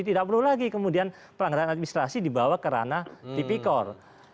tidak perlu lagi kemudian pelanggaran administrasi dibawa ke ranah tipikor